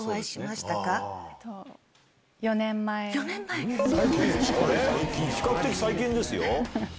４年前⁉比較的最近ですよ。